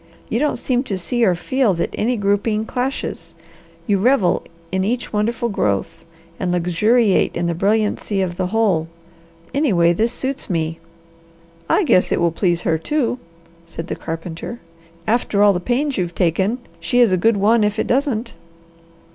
You don't seem to see or feel that any grouping clashes; you revel in each wonderful growth, and luxuriate in the brilliancy of the whole. Anyway, this suits me." "I guess it will please her, too," said the carpenter. "After all the pains you've taken, she is a good one if it doesn't."